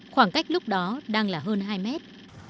khoảng cách lúc đó đang là hơn hai mét